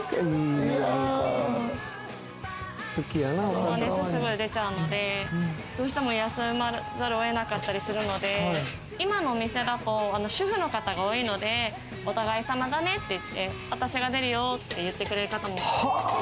子供がすぐ熱出ちゃうので、どうしても休まざるを得なかったりするので、今のお店だと主婦の方が多いので、お互い様だねって言って、私が出るよって言ってくれる方も。